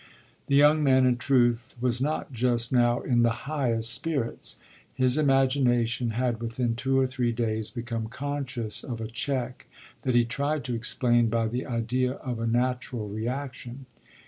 The young man, in truth, was not just now in the highest spirits; his imagination had within two or three days become conscious of a check that he tried to explain by the idea of a natural reaction.